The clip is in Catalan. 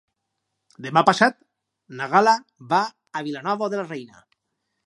Demà passat na Gal·la va a Vilanova de la Reina.